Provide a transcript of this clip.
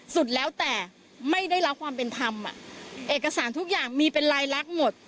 สุดแล้วแต่ไม่ได้รับความเป็นธรรมอ่ะเอกสารทุกอย่างมีเป็นลายลักษณ์หมด